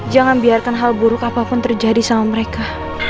jangan biarkan hal buruk apapun terjadi sama mereka